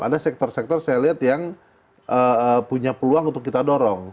ada sektor sektor saya lihat yang punya peluang untuk kita dorong